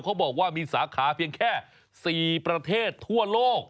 เขาบอกว่ามีสาขาเพียงแค่๔ประเทศทั่วโลก